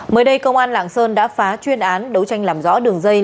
mới đây công an lạng sơn đã phá chuyên án đấu tranh làm rõ đường dây